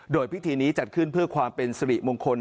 โดยพิธีนี้จัดขึ้นเพื่อความเป็นสิริมงคล